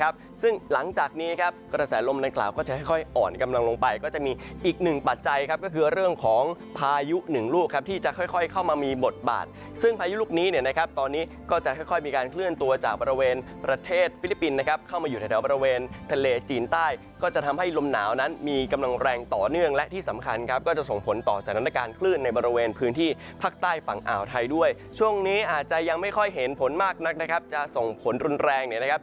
บาทซึ่งพายุลุกนี้เนี้ยนะครับตอนนี้ก็จะค่อยค่อยมีการเคลื่อนตัวจากบริเวณประเทศฟิลิปปินส์นะครับเข้ามาอยู่ในแถวบริเวณทะเลจีนใต้ก็จะทำให้ลมหนาวนั้นมีกำลังแรงต่อเนื่องและที่สำคัญครับก็จะส่งผลต่อสถานการณ์เคลื่อนในบริเวณพื้นที่ภาคใต้ฝั่งอ่าวไทยด้วยช่วงนี้อาจจะยั